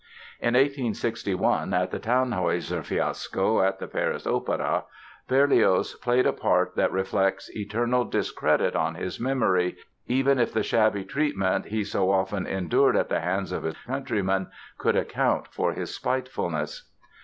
In 1861, at the "Tannhäuser" fiasco at the Paris Opéra, Berlioz played a part that reflects eternal discredit on his memory, even if the shabby treatment he so often endured at the hands of his countrymen could account for his spitefulness.